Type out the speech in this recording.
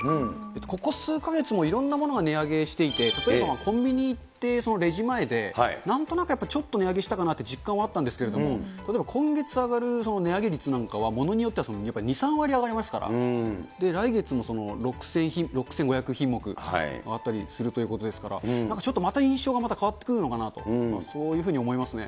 ここ数か月もいろんなものが値上げしていて、例えばコンビニ行ってレジ前で、なんとなくやっぱちょっと値上げしたかなという実感はあったんですけれども、例えば今月上がる値上げ率なんかは物によっては２、３割上がりますから、来月も６５００品目、上がったりするということですから、なんかちょっと印象がまた変わってくるのかなと、そういうふうに思いますね。